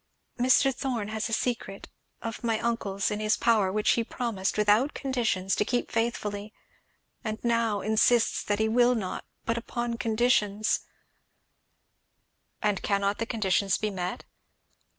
"Mr. Thorn has a secret of my uncle's in his power which he promised without conditions to keep faithfully; and now insists that he will not but upon conditions " "And cannot the conditions be met?"